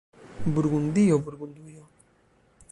Burgundio, Burgundujo.